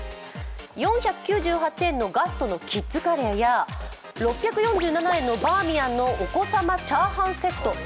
４９８円のガストのキッズカレーや６４７円のバーミヤンのお子様チャーハンセット。